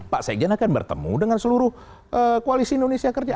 pak sekjen akan bertemu dengan seluruh koalisi indonesia kerja